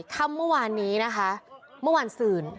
โดนฟันเละเลย